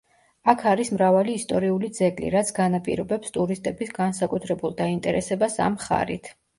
აქ არის მრავალი ისტორიული ძეგლი, რაც განაპირობებს ტურისტების განსაკუთრებულ დაინტერესებას ამ მხარით.